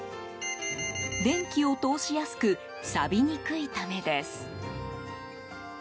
電気を通しやすくさびにくいためです。